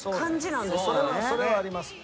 それはありますね。